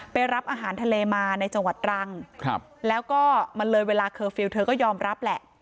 ไปรับอาหารทะเลมาในจังหวัดรังแล้วก็มันเลยเวลาเคอร์ฟิลล์เธอก็ยอมรับแหละ